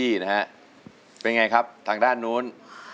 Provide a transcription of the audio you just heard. จึงไม่มีน้ำยา